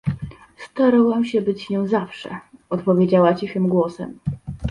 — Starałam się być nią zawsze — odpowiedziała cichym głosem.